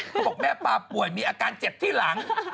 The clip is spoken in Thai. เขาบอกแม่ปลาป่วยมีอาการเจ็บที่หลัง